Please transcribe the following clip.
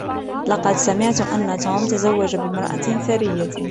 لقد سمعت أن توم تزوج بامرأة ثرية